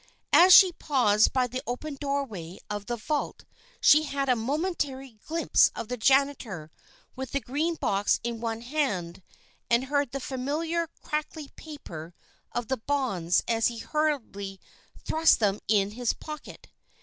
As she paused by the open doorway of the vault she had a momentary glimpse of the janitor with the green box in one hand, and heard the familiar crackly paper of the bonds as he hurriedly thrust them into his pocket.